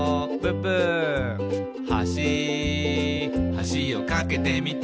「はしはしを架けてみた」